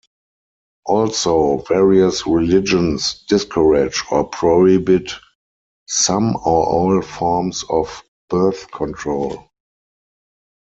Also, various religions discourage or prohibit some or all forms of birth control.